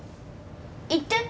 行って。